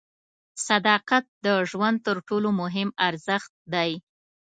صداقت د ژوند تر ټولو مهم ارزښت دی.